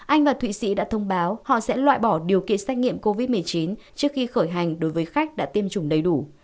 anh và thụy sĩ đã thông báo họ sẽ loại bỏ điều kiện xét nghiệm covid một mươi chín trước khi khởi hành đối với khách đã tiêm chủng đầy đủ